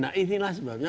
nah inilah sebabnya